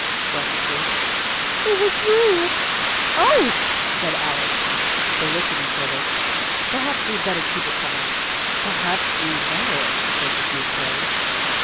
breathlessly. " It was you !"" Oh !" said Alice. They looked at each other. " Perhaps we'd better keep it quiet." " Perhaps we 'd better," assented meek tones.